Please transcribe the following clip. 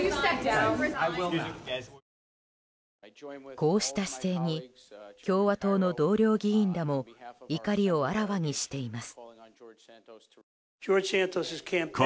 こうした姿勢に共和党の同僚議員らも怒りをあらわにしています。